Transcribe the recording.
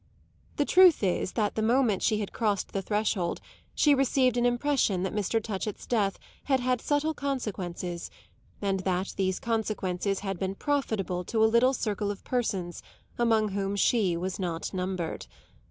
The truth is that the moment she had crossed the threshold she received an impression that Mr. Touchett's death had had subtle consequences and that these consequences had been profitable to a little circle of persons among whom she was not numbered.